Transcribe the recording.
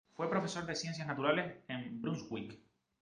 Fue profesor de ciencias naturales en Brunswick.